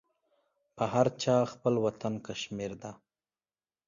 په هر چا خپل وطن کشمير ده.